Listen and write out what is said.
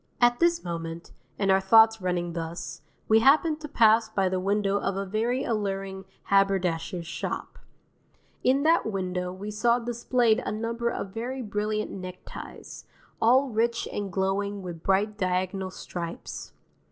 At this moment, and our thoughts running thus, we happened to pass by the window of a very alluring haberdasher's shop. In that window we saw displayed a number of very brilliant neckties, all rich and glowing with bright diagonal stripes.